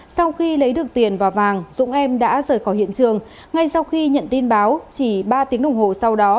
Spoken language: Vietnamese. sau khi lấy được tiền và vàng dũng em đã rời khỏi hiện trường ngay sau khi nhận tin báo chỉ ba tiếng đồng hồ sau đó